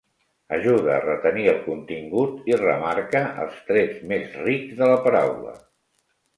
Ajude a retenir el contingut i remarque els trets més rics de la paraula.